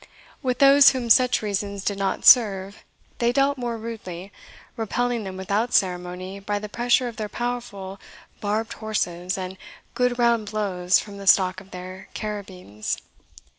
With those whom such reasons did not serve they dealt more rudely, repelling them without ceremony by the pressure of their powerful, barbed horses, and good round blows from the stock of their carabines.